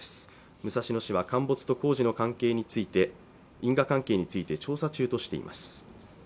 武蔵野市は陥没と工事の因果関係について調査中としています